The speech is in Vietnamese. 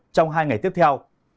trong hai ngày tiếp theo